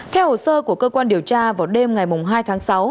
theo hồ sơ của cơ quan điều tra vào đêm ngày hai tháng sáu